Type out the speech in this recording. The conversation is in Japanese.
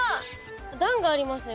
段がありますね